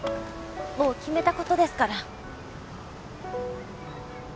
もう決めた事ですから。